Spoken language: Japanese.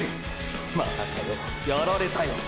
またかよやられたよ！！